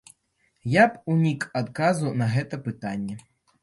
Я б унік адказу на гэта пытанне.